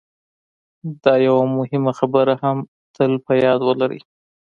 دا یوه مهمه خبره هم تل په یاد ولرئ